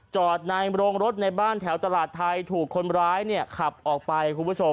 จอดในโรงรถในบ้านแถวตลาดไทยถูกคนร้ายขับออกไป